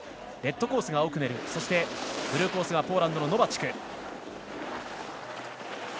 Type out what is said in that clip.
レッドコースがオクネルブルーコースがポーランドのノバチク。